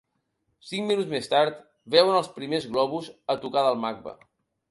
Cinc minuts més tard veuen els primers globus, a tocar del Macba.